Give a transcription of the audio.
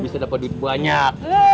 bisa dapet duit banyak